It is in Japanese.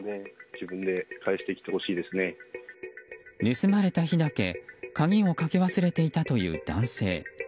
盗まれた日だけ鍵をかけ忘れていたという男性。